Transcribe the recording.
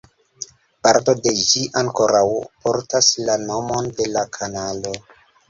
Parto de ĝi ankoraŭ portas la nomon de la kanalo.